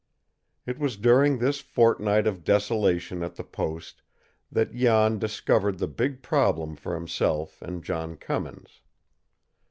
It was during this fortnight of desolation at the post that Jan discovered the big problem for himself and John Cummins.